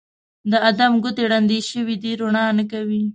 د ادم ګوتې ړندې شوي دي روڼا نه کوي